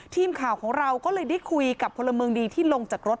ทีมข่าวของเราก็เลยได้คุยกับพลเมืองดีที่ลงจากรถ